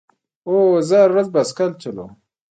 هو، زه هره ورځ بایسکل چلوم